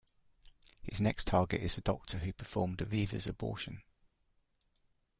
His next target is the doctor who performed Aviva's abortion.